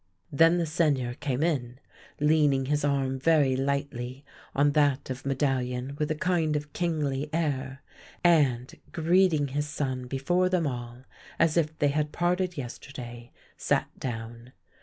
Then the Seigneur came in, leaning his arm very lightly on that of Medallion with a kind of kingly air ; and, greeting his son before them all, as if they had parted yesterday, sat down.